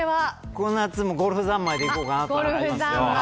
この夏はゴルフざんまいでいこうかなと思います。